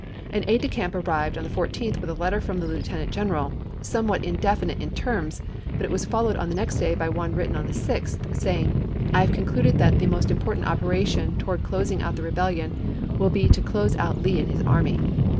An aide de camp arrived on the 14th with a letter from "MemoS" the Lieutenant General, somewhat indefinite in p. 205." terms ; but it was followed, on the next day, by one written on the 6th, saying :" I have concluded that the most important operation toward closing out ibid., p. 205. the rebellion will be to close out Lee and his army."